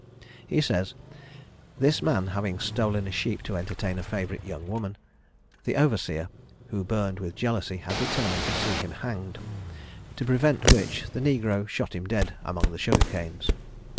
He says, "This man having stolen a sheep to entertain a favourite young woman, the overseer, who burned with jealousy, had determined to see him hanged; to prevent which, the negro shot him dead among the sugar canes.